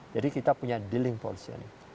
jadi kita punya dealing portion